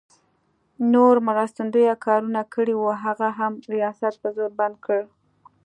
نور مرستندویه کارونه کړي وو، هغه هم ریاست په زور بند کړل.